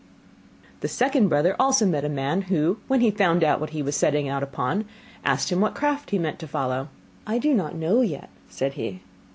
The second brother also met a man, who, when he found out what he was setting out upon, asked him what craft he meant to follow. 'I do not know yet,' said he.